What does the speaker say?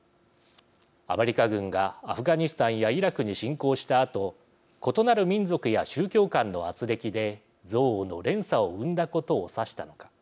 アメリカ軍がアフガニスタンやイラクに侵攻したあと異なる民族や宗教間のあつれきで憎悪の連鎖を生んだことを指したのか。